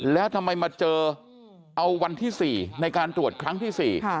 แล้วทำไมมาเจอเอาวันที่๔ในการตรวจครั้งที่๔